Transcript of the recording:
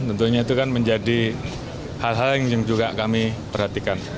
tentunya itu kan menjadi hal hal yang juga kami perhatikan